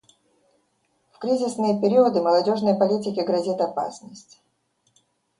В кризисные периоды молодежной политике грозит опасность.